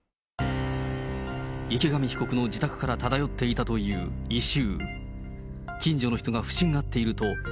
池上被告の自宅から漂っていたという異臭。